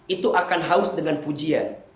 itu akan haus dengan pujian